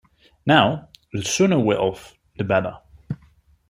Now the sooner we’re off the better.